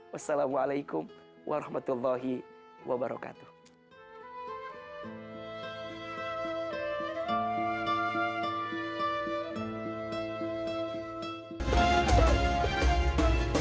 wassalamualaikum warahmatullahi wabarakatuh